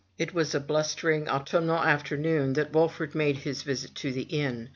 It was on a blustering autumnal afternoon that Wolfert made his visit to the inn.